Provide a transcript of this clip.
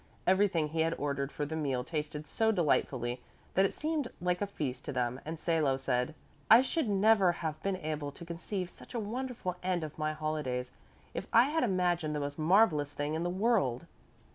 Everything he had ordered for the meal tasted so delightfully that it seemed like a feast to them and Salo said, "I should never have been able to conceive such a wonderful end of my holidays, if I had imagined the most marvellous thing in the world."